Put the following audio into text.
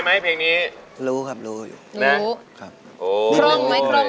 เพลงที่๒นี้มีมูลค่า๑๐๐๐๐บาทถ้าคุณหนุ่ยพร้อมแล้วอินโทรมาเลยครับ